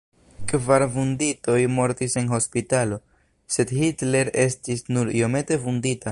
Kvar vunditoj mortis en hospitalo, sed Hitler estis nur iomete vundita.